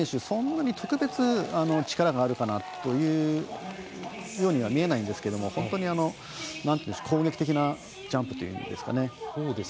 そんなに特別力があるというふうに見えないんですけど本当に攻撃的なジャンプというんですかね。